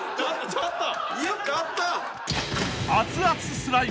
ちょっと！